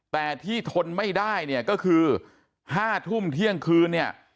แต่ที่ทนไม่ได้เนี่ยก็คือ๕ทุ่มเที่ยงคืนเนี่ย